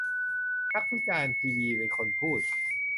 นักวิจารณ์ทีวี เป็นคนพูด